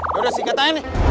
lo udah sikat aja nih